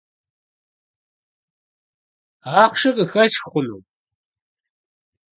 Ахъшэ къыхэсх хъуну?